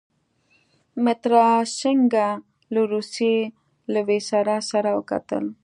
مترا سینګه له روسيې له ویسرا سره وکتل.